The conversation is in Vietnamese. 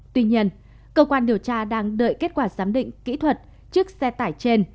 tuy nhiên cơ quan điều tra đang đợi kết quả giám định kỹ thuật chiếc xe tải trên